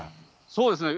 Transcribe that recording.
そうですね。